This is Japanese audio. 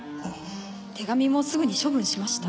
手紙もすぐに処分しました。